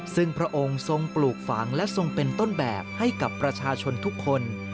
ซึ่งพระองค์ทรงปลูกฝังและทรงเป็นต้นแบบให้กับประชาชนทุกคน